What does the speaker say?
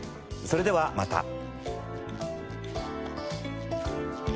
それではまた。